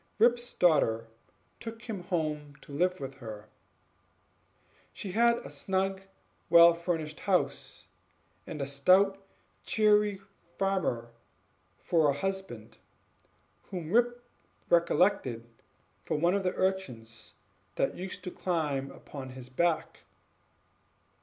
Rip's daughter took him home to live with her; she had a snug well furnished house, and a stout cheery farmer for a husband, whom Rip recollected for one of the urchins that used to climb upon his back.